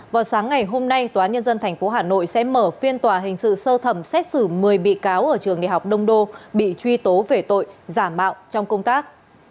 vào sáng ngày hôm nay tnth hà nội sẽ mở phiên tòa hình sự sơ thẩm xét xử một mươi bị cáo ở trường đh đông đô bị truy tố về tội giả mạo trong công tác